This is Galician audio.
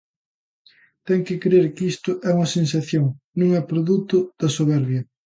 Ten que crer que isto é unha sensación, non é produto da soberbia.